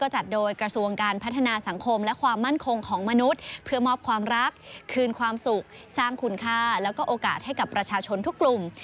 จัดโดยกระทรวงการพัฒนาสังคมและความมั่นคงของมนุษย์เพื่อมอบความรักคืนความสุขสร้างคุณค่าแล้วก็โอกาสให้กับประชาชนทุกกลุ่ม